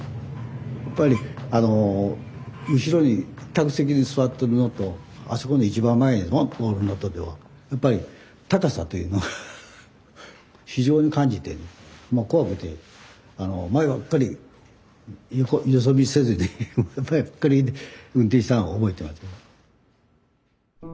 やっぱり後ろに客席に座っとるのとあそこの一番前にボンッとおるのとではやっぱり高さというのが非常に感じて怖くて前ばっかり横よそ見せずに前ばっかり見て運転したのを覚えてますね。